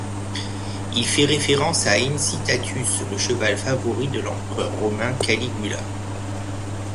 Il fait référence à Incitatus, le cheval favori de l'empereur romain Caligula.